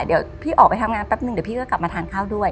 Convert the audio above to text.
เดี๋ยวพี่ออกไปทำงานแป๊บนึงเดี๋ยวพี่ก็กลับมาทานข้าวด้วย